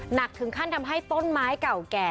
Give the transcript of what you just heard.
หนักถึงขั้นทำให้ต้นไม้เก่าแก่